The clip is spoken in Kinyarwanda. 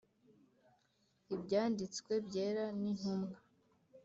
ibyanditswe byera n Intumwa